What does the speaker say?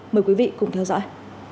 mời quý vị cùng theo dõi